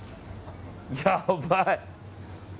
やばい。